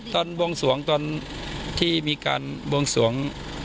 ตอนวงสวงต้านที่มีการวงสวง